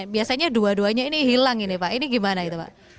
biasanya dua duanya ini hilang ini pak ini gimana gitu pak